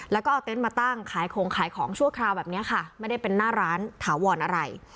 แล้วก็เอาเต็นต์มาตั้งขายของขายของชั่วคราวแบบนี้ค่ะไม่ได้เป็นหน้าร้านถาวรอะไร